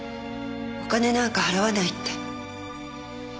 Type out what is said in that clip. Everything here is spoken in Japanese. お金なんか払わないって。